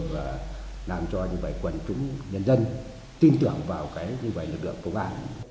và làm cho quân chủ nhân dân tin tưởng vào lực lượng công an